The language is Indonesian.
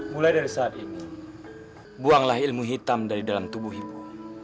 mulai dari saat ini buanglah ilmu hitam dari dalam tubuh ibu